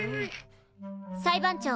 裁判長。